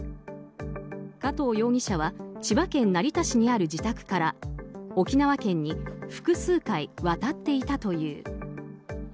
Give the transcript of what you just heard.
加藤容疑者は千葉県成田市にある自宅から沖縄県に複数回渡っていたという。